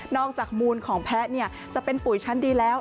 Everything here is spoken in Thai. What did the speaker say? จากมูลของแพะจะเป็นปุ๋ยชั้นดีแล้ว